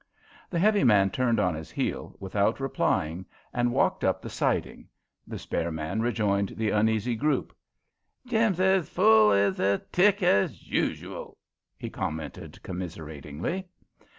The heavy man turned on his heel, without replying, and walked up the siding. The spare man rejoined the uneasy group. "Jim's ez full ez a tick, ez ushel," he commented commiseratingly.